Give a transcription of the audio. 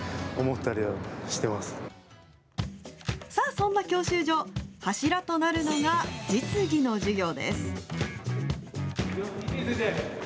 そんな教習所、柱となるのが実技の授業です。